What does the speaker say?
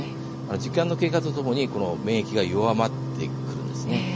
時間の経過とともに免疫は弱まってくるんです。